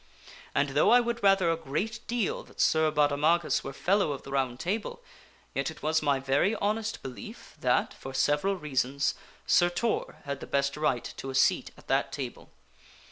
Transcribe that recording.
And though I would rather a great deal that Sir Baudemagus were fellow of the Round Table, yet it was my very honest belief that, for several reasons, Sir Tor had the best right to a seat at that Table.